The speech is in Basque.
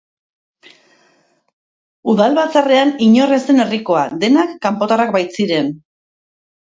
Udal Batzarrean inor ez zen herrikoa, denak kanpotarrak baitziren.